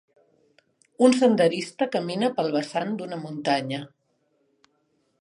Un senderista camina pel vessant d'una muntanya.